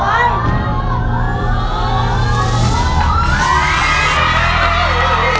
ถุงที่๒